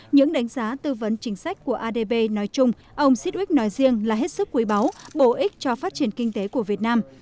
những đánh giá tư vấn chính sách của adb nói chung ông sittwick nói riêng là hết sức quý báu bổ ích cho phát triển kinh tế của việt nam